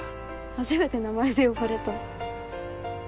初めて名前で呼ばれた。